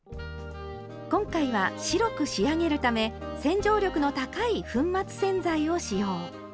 今回は白く仕上げるため洗浄力の高い粉末洗剤を使用。